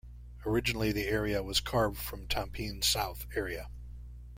Originally the area was carved from Tampines South area.